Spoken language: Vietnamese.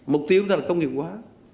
mục tiêu của ta là công nghiệp hóa